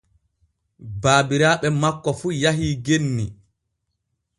Baabiraaɓe makko fu yahii genni.